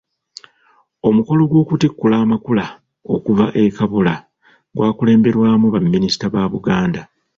Omukolo gw'okutikkula amakula okuva e Kabula gwakulemberwamu baminisita ba Buganda.